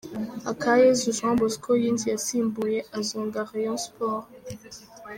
Akayezu Jean Bosco yinjiye asimbuye azonga Rayon Sports.